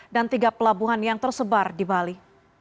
dan tiga pelabuhan yang tersebar di bali